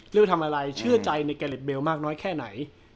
เรียกว่าทำอะไรเชื่อใจในแกล็ดเบลมากน้อยแค่ไหน